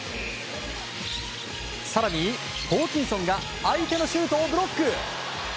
更にホーキンソンが相手のシュートをブロック！